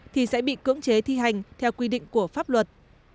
thì sẽ bị cưỡng chế thi hành theo quy định của pháp luật